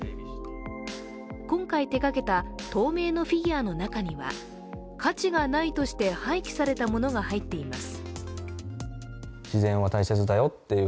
今回手がけた透明のフィギュアの中には、価値がないとして廃棄されたものが入っています。